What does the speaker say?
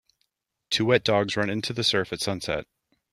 Two wet dogs run into the surf at sunset.